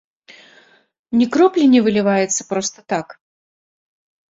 Ні кроплі не выліваецца проста так.